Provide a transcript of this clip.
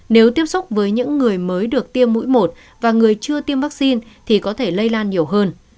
nếu tiếp xúc với những người mới được tiêm mũi một và người chưa tiêm vaccine thì có thể lây lan nhiều hơn